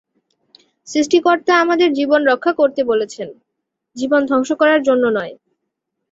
সৃষ্টিকর্তা আমাদের জীবন রক্ষা করতে বলেছেন, জীবন ধ্বংস করার জন্য নয়।